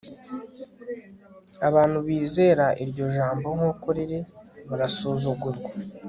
Abantu bizera iryo jambo nkuko riri barasuzugurwa